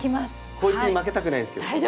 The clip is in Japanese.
こいつにも負けたくないんですけどはい。